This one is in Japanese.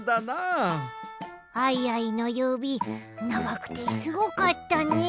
アイアイのゆびながくてすごかったねえ。